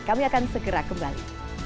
kami akan segera kembali